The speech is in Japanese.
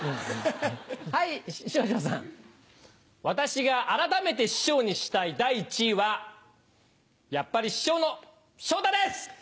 私が改めて師匠にしたい第１位はやっぱり師匠の昇太です！